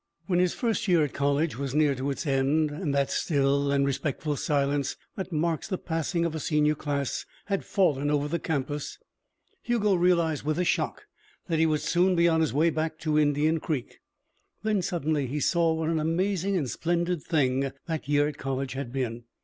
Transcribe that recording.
When his first year at college was near to its end, and that still and respectful silence that marks the passing of a senior class had fallen over the campus, Hugo realized with a shock that he would soon be on his way back to Indian Creek. Then, suddenly, he saw what an amazing and splendid thing that year at college had been.